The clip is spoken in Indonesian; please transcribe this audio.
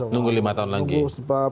nunggu lima tahun lagi